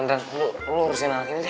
aduh ran ran lo ngurusin anak ini deh